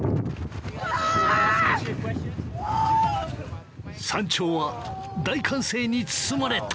山頂は大歓声に包まれた。